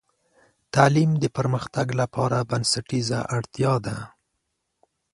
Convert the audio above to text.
تعلیم د پرمختګ لپاره بنسټیزه اړتیا ده.